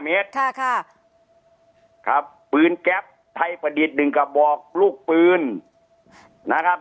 เมตรค่ะครับปืนแก๊ปไทยประดิษฐ์หนึ่งกระบอกลูกปืนนะครับ